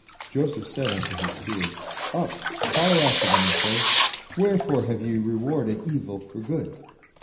Joseph said unto his steward, "Up, follow after them and say, 'Wherefore have ye rewarded evil for good?